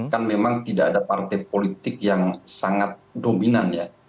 kan memang tidak ada partai politik yang sangat dominan ya